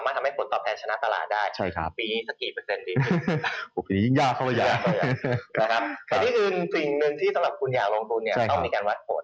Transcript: รู้สึกว่าทุกสิ่งนึงที่สำหรับคุณอยากลงทุนเนี่ยต้องมีการวัดผล